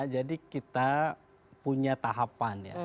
jadi kita punya tahapan ya